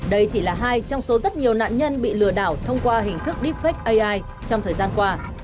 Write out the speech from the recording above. đây chỉ là hai trong số rất nhiều nạn nhân bị lừa đảo thông qua hình thức deepfake ai trong thời gian qua